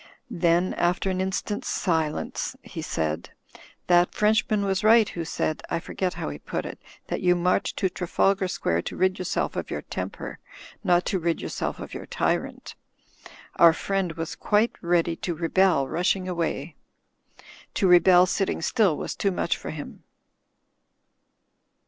Then, after an instant's silence, he said, "That Frenchman was right who said (I forget how he put it) that you march to Trafalgar Square to rid your self of your temper ; not to rid yourself of your tyrant. Our friend was quite ready to rebel, rushing away. To rebel sitting still was too much for him.